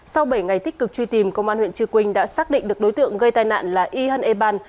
sau bảy ngày tích cực truy tìm công an huyện chư quynh đã xác định được đối tượng gây tai nạn là yhan eban